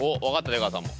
出川さんも。